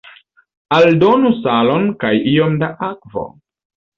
Aldonu salon kaj iom da akvo.